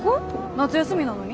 夏休みなのに？